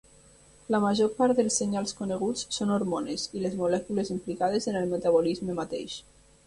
La major part dels senyals coneguts són hormones i les molècules implicades en el metabolisme mateix.